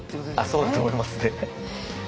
そうだと思いますね。